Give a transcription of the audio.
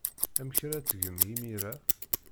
Amek ara tgem imir-a?